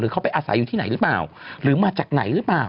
เขาไปอาศัยอยู่ที่ไหนหรือเปล่าหรือมาจากไหนหรือเปล่า